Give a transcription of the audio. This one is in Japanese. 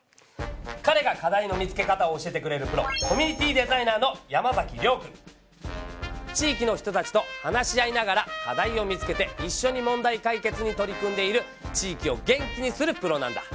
かれが「課題の見つけ方」を教えてくれるプロ地域の人たちと話し合いながら課題を見つけていっしょに問題解決に取り組んでいる地域を元気にするプロなんだ！